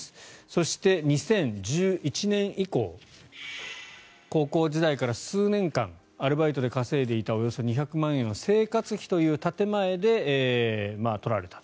そして、２０１１年以降高校時代から数年間アルバイトで稼いでいたおよそ２００万円を生活費という建前で取られた。